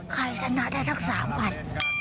ใครสนาดได้ทั้ง๓พัน